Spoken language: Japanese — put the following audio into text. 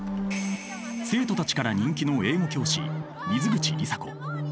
生徒たちから人気の英語教師水口里紗子。